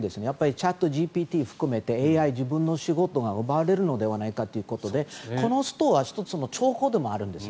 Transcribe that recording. チャットＧＰＴ含めてＡＩに自分の仕事が奪われるのではないかということでこのストは１つの兆候でもあるんです。